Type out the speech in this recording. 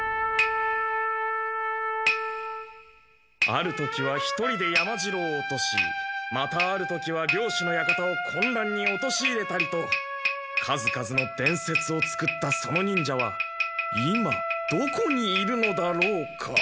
ある時は一人で山城を落としまたある時は領主の館をこんらんにおとしいれたりと数々の伝説を作ったその忍者は今どこにいるのだろうか。